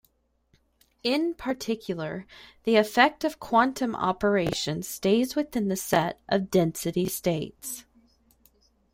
In particular, the effect of quantum operations stays within the set of density states.